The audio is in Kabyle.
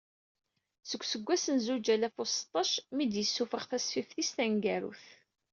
Seg useggas n zuǧ alaf u seṭṭac, mi d-yessufeɣ tasfift-is taneggarut.